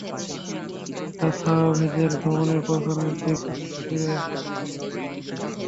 এটা সাওভ্যাজের ভবনে পৌঁছানোর দিক নির্দেশনা দিবে।